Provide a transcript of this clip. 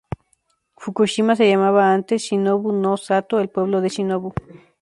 Fukushima se llamaba antes "Shinobu-no-Sato," el pueblo de Shinobu.